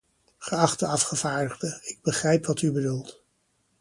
Geachte afgevaardigde, ik begrijp wat u bedoelt.